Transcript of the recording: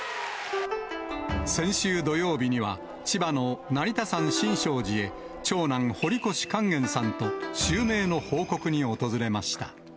先週土曜日には、千葉の成田山新勝寺へ、長男、堀越勸玄さんと襲名の奉告に訪れました。